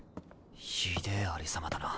ひでぇありさまだな